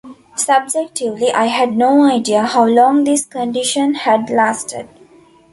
Subjectively, I had no idea how long this condition had lasted.